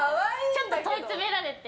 ちょっと問い詰められて。